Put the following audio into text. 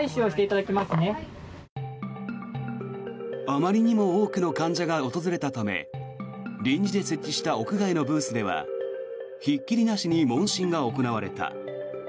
あまりにも多くの患者が訪れたため臨時で設置した屋外のブースではひっきりなしに問診が行われた。